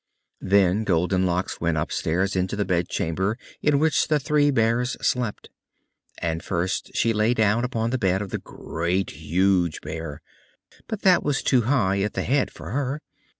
Then Goldenlocks went upstairs into the bedchamber in which the three Bears slept. And first she lay down upon the bed of the Great, Huge Bear, but that was too high at the head for her.